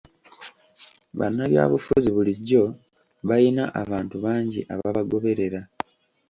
Bannabyabufuzi bulijjo bayina abantu bangi ababagoberera.